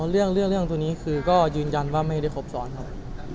เรื่องตัวนี้คือก็ยืนยันว่าไม่ได้ครบซ้อนครับ